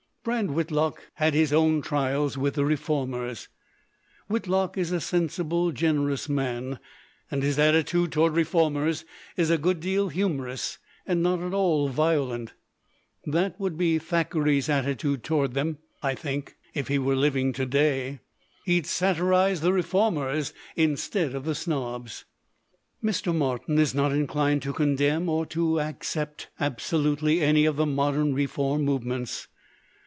Brand Whitlock had his own trials with the reformers. Whitlock is a sensible, generous man, and his attitude toward reformers is a good deal humorous and not at all violent. That would be Thackeray's attitude toward them, I think, if he were living to day. He'd satirize the reformers instead of the snobs." Mr. Martin is not inclined to condemn or to accept absolutely any of the modern reform move ments.